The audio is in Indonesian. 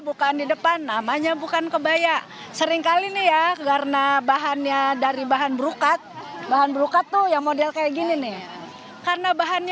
bukaan di depan namanya bukan kebaya seringkali nih ya karena bahannya dari bahan brukat bahan